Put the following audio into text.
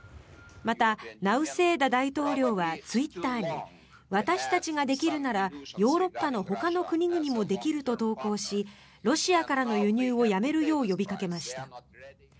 またナウセーダ大統領はツイッターに私たちができるならヨーロッパのほかの国々もできると投稿しロシアからの輸入をやめるよう呼びかけました。